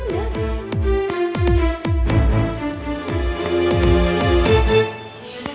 nih nanti gue tarik toilet